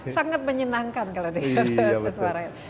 sangat menyenangkan kalau dengan suaranya